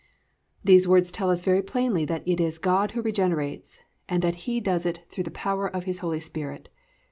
"+ These words tell us very plainly that it is God who regenerates and that He does it through the power of His Holy Spirit.